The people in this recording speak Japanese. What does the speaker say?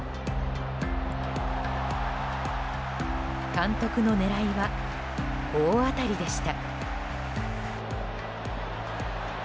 監督の狙いは大当たりでした。